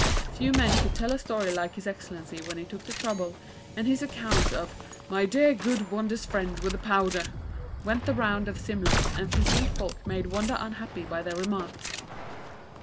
Few men could tell a story like His Excellency when he took the trouble, and his account of 'my dear, good Wonder's friend with the powder' went the round of Simla, and flippant folk made Wonder unhappy by their remarks.